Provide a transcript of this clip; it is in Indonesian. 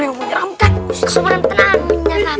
eh ewan kampung sini